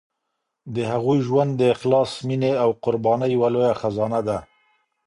د هغوی ژوند د اخلاص، مینې او قربانۍ یوه لویه خزانه ده.